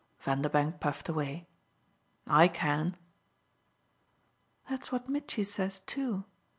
Vanderbank puffed away. "I can." "That's what Mitchy says too.